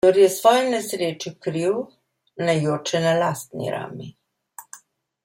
Kdor je svoje nesreče kriv, naj joče na lastni rami.